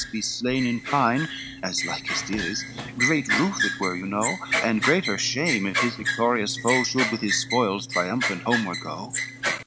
be slain in fine, As likest is, great ruth it were you know, And greater shame, if his victorious foe Should with his spoils triumphant homeward go.